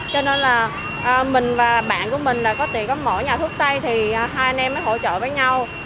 cho nên là mình và bạn của mình là có tiền có mỗi nhà thuốc tây thì hai anh em mới hỗ trợ với nhau